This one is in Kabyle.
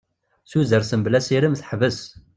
Tudert mebla asirem teḥbes.